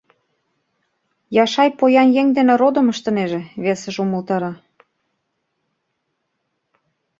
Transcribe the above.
Яшай поян еҥ дене родым ыштынеже, — весыже умылтара.